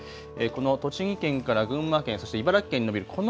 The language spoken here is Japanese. この栃木県から群馬県、そして茨城県に延びる